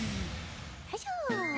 よいしょ。